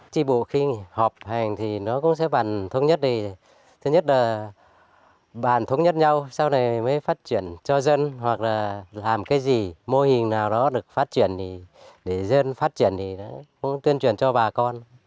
tri bộ khi họp hành thì nó cũng sẽ bàn thống nhất đi thứ nhất là bàn thống nhất nhau sau này mới phát triển cho dân hoặc là làm cái gì mô hình nào đó được phát triển thì để dân phát triển thì cũng tuyên truyền cho bà con